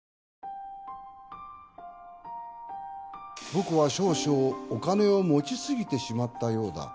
「僕は少々お金を持ち過ぎてしまったようだ」